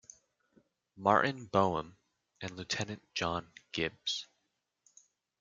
Martin Boehm and Lieutenant John Gibbs.